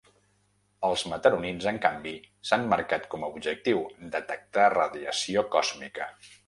Els mataronins, en canvi, s’han marcat com a objectiu detectar radiació còsmica.